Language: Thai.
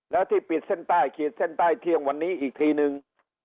แล้วที่ปิดเส้นใต้ขีดเส้นใต้เที่ยงวันนี้อีกทีนึง